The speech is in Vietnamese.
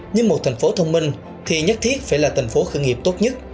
nhưng một thành phố thông minh thì nhất thiết phải là thành phố khởi nghiệp tốt nhất